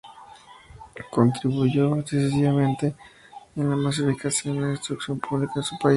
Contribuyó decisivamente en la masificación de la instrucción pública en su país.